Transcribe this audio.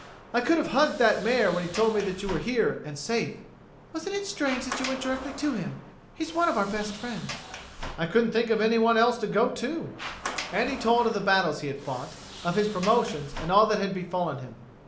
"I could have hugged that Mayor when he told me that you were here and safe." "Wasn't it strange that you went directly to him? He's one of our best friends." "I couldn't think of anyone else to go to." And he told of the battles he had fought, of his promotions and all that had befallen him.